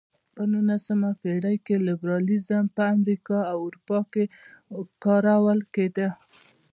په نولسمه پېړۍ کې لېبرالیزم په امریکا او اروپا کې کارول کېده.